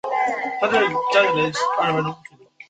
后移驻额尔德尼召。